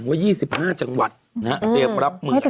ว่า๒๕จังหวัดนะเตรียมขอรับเมืองนี้